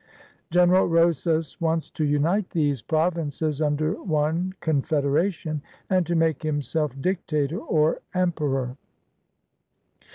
General Rosas wants to unite these provinces under one confederation, and to make himself dictator or emperor.